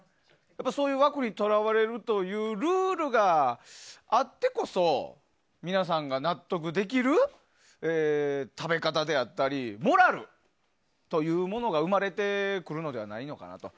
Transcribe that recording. そういう枠に捉われるというルールがあってこそ、皆さんが納得できる食べ方であったりモラルというものが生まれてくるのではないのかなと。